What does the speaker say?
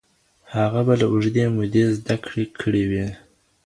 هغه به له اوږدې مودې زده کړه کړې وي.